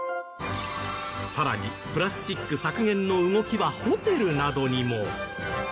さらにプラスチック削減の動きはホテルなどにも。